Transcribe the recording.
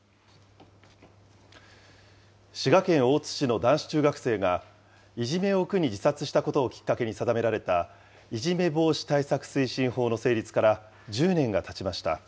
滋賀県大津市の男子中学生が、いじめを苦に自殺したことをきっかけに定められた、いじめ防止対策推進法の成立から１０年がたちました。